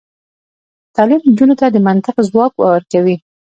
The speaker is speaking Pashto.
تعلیم نجونو ته د منطق ځواک ورکوي.